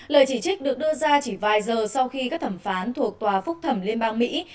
lời chỉ trích được đưa ra chỉ vài giờ sau khi các thẩm phán thuộc tòa phúc thẩm liên bang mỹ